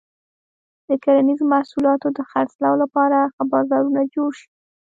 د کرنیزو محصولاتو د خرڅلاو لپاره ښه بازارونه جوړ شي.